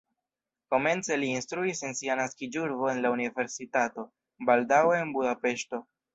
Komence li instruis en sia naskiĝurbo en la universitato, baldaŭe en Budapeŝto.